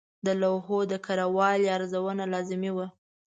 د لوحو د کره والي ارزونه لازمي وه.